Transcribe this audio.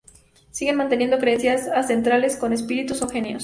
Siguen manteniendo creencias ancestrales en espíritus o genios.